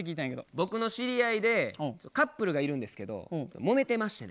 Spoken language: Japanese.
僕の知り合いでカップルがいるんですけどもめてましてね。